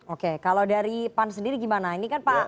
oke kalau dari pan sendiri gimana ini kan pak